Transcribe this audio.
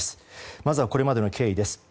まずはこれまでの経緯です。